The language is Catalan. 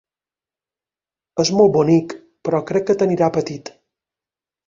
És molt bonic però crec que t'anirà petit.